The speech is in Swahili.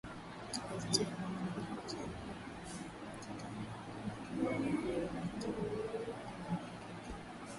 Gazeti la mwana Afrika Mashariki limepata taarifa kuwa Kenya na Uganda walikataa uamuzi wa zoezi la uhakiki.